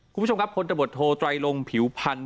คุณผู้ชมครับพลตบทโทไตรลงผิวพันธ